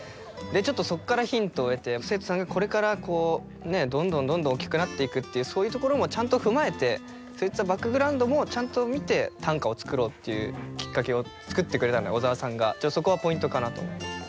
ちょっとそこからヒントを得て生徒さんがこれからどんどんどんどん大きくなっていくっていうそういうところもちゃんと踏まえてそういったバックグラウンドもちゃんと見て短歌を作ろうっていうきっかけを作ってくれたので小沢さんが。そこはポイントかなと。